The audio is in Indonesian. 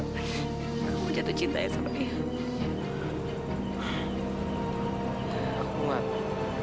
kamu jatuh cinta ya sama dewi